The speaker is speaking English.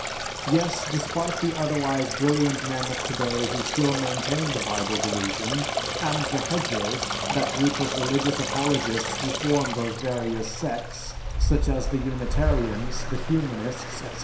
Yes, despite the otherwise brilliant men of today who still maintain the Bible Delusion, and the "Hedgers," that group of religious apologists who form those various sects, such as the Unitarians, the Humanists, etc.